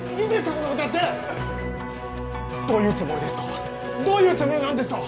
こんなことやってどういうつもりですかどういうつもりなんですか？